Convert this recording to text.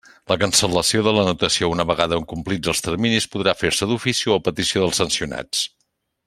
La cancel·lació de l'anotació, una vegada complits els terminis, podrà fer-se d'ofici o a petició dels sancionats.